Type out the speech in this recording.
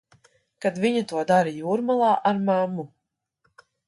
Kad viņa to dara Jūrmalā ar mammu.